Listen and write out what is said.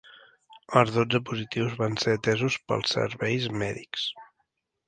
Els dotze positius van ser atesos pels serveis mèdics.